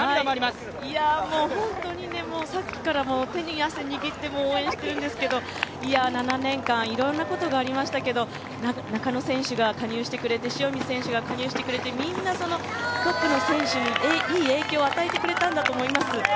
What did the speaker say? いやあ、もう本当にさっきから手に汗握って応援してるんですけど、７年間、いろんなことがありましたけど、中野選手が加入してくれて塩見選手が加入してくれて、みんなトップの選手にいい影響を与えてくれたんだと思います。